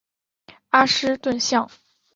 阿什顿巷。